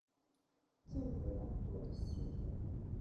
这么懒惰的媳妇